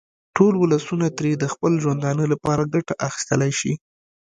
ټول ولسونه ترې د خپل ژوندانه لپاره ګټه اخیستلای شي.